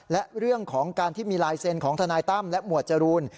และเรื่องของการที่มีลายเซ็นต์ของทนายตั้มและหมวดจรูน